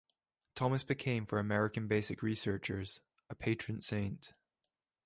Thomas became for American basic researchers a patron saint.